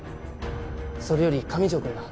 それより上條くんだ。